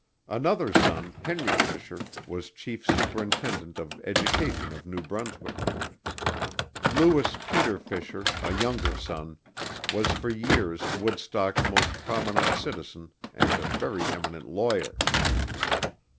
Another son, Henry Fisher, was Chief Superintendent of Education of New Brunswick. Lewis Peter Fisher, a younger son, was for years Woodstock's most prominent citizen and a very eminent lawyer.